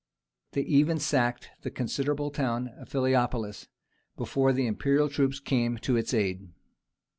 They even sacked the considerable town of Philippopolis before the imperial troops came to its aid.